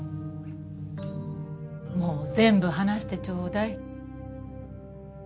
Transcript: もう全部話してちょうだい。